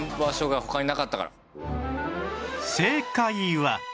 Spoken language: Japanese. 正解は